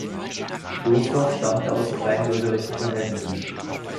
Boßdorf stammte aus kleinbürgerlichen Verhältnissen.